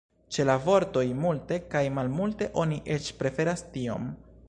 Ĉe la vortoj "multe" kaj "malmulte" oni eĉ preferas "tiom".